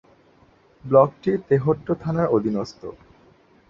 ব্লকটি তেহট্ট থানার অধীনস্থ।